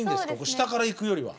下からいくよりは。